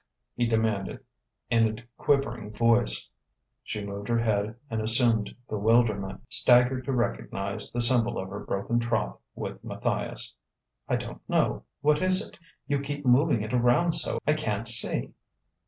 he demanded in a quivering voice. She moved her head in assumed bewilderment, staggered to recognize the symbol of her broken troth with Matthias. "I don't know. What is it? You keep moving it around so, I can't see...."